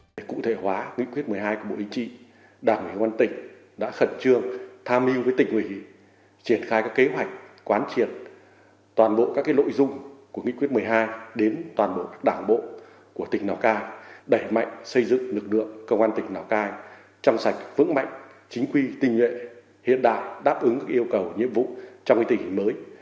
để cụ thể hóa nghị quyết một mươi hai của bộ y trị đảng nguyên quân tỉnh đã khẩn trương tham mưu với tỉnh nguyễn triển khai các kế hoạch quán triển toàn bộ các lội dung của nghị quyết một mươi hai đến toàn bộ các đảng bộ của tỉnh lào cai đẩy mạnh xây dựng lực lượng công an tỉnh lào cai chăm sạch vững mạnh chính quy tình nguyện hiện đại đáp ứng các yêu cầu nhiệm vụ trong tỉnh mới